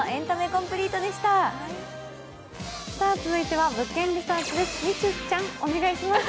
続いては「物件リサーチ」です。